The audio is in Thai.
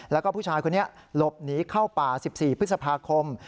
แล้วก็ผู้ชายคนนี้หลบหนีเข้าป่า๑๔พฤษภาคม